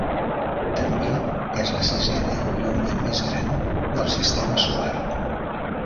També és la sisena lluna més gran del sistema solar.